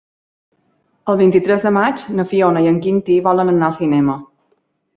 El vint-i-tres de maig na Fiona i en Quintí volen anar al cinema.